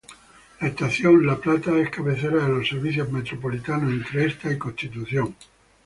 La estación La Plata es cabecera de los servicios metropolitanos, entre esta y Constitución.